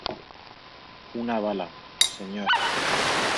una bala, señor.